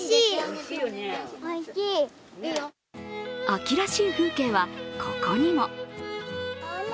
秋らしい風景はここにも。